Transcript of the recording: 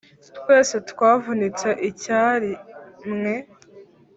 twese twavunitse icyari mwe